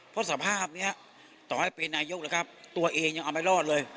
เพราะสภาพนี้ต่อให้เป็นนายกแล้วครับตัวเองยังเอาไม่รอดเลย